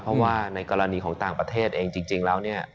เพราะว่าในกรณีของต่างประเทศเองจริงแล้วเนี่ย